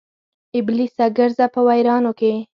ابلیسه ګرځه په ویرانو کې